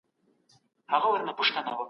که چاپېريال مطالعه سي نو عملي پوهه زياتېږي.